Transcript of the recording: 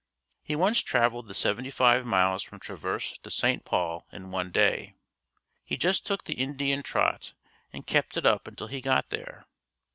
He once traveled the seventy five miles from Traverse to St. Paul in one day. He just took the Indian trot and kept it up until he got there.